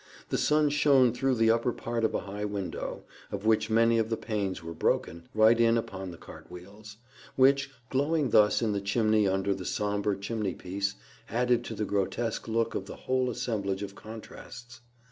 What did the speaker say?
The sun shone through the upper part of a high window, of which many of the panes were broken, right in upon the cart wheels, which, glowing thus in the chimney under the sombre chimney piece, added to the grotesque look of the whole assemblage of contrasts.